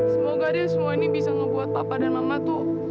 semoga deh semua ini bisa ngebuat papa dan mama tuh